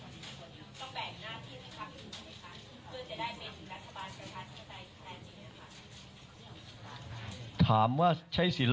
เพื่อนจะได้เป็นรัฐบาลเกี่ยวกับท่านสมัยใดจริงค่ะ